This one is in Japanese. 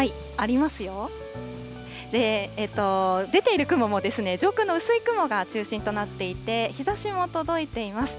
出ている雲も、上空の薄い雲が中心となっていて、日ざしも届いています。